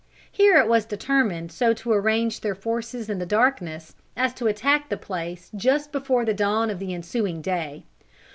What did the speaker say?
Here it was determined so to arrange their forces in the darkness, as to attack the place just before the dawn of the ensuing day.